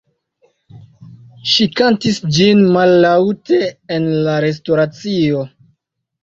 Ŝi kantis ĝin mallaŭte en la restoracio.